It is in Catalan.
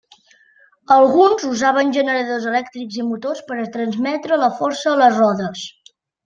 Alguns usaven generadors elèctrics i motors per a transmetre la força a les rodes.